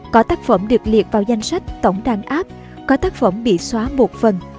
có tác phẩm được liệt vào danh sách tổng đàn áp có tác phẩm bị xóa một phần